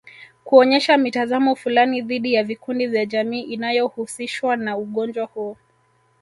Kuonyesha mitazamo fulani dhidi ya vikundi vya jamii inayohusishwana ugonjwa huu